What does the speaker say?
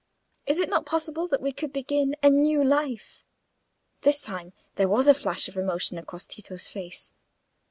Is it not possible that we could begin a new life?" This time there was a flash of emotion across Tito's face.